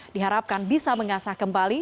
diharapkan bisa mengalami